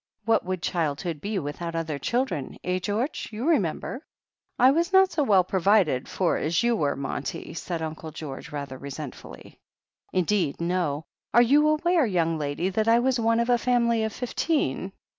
What would childhood be without other children, eh, George? You remember?" "I was not so well provided as you were, Monty," said Uncle George rather resentfully. "Indeed, no. Are you aware, young lady, that I was one of a family of fifteen?"